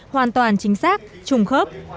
hoàn toàn chính xác trùng khớp